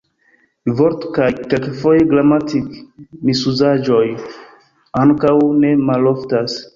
Vort- kaj kelkfoje gramatik-misuzaĵoj ankaŭ ne maloftas.